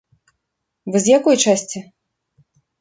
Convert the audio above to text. Вы з якой часці?